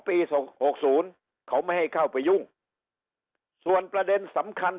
หกศูนย์เขาไม่ให้เข้าไปยุ่งส่วนประเด็นสำคัญ